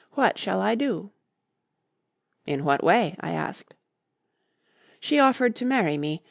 What shall I do?" "In what way?" I asked. "She offered to marry me.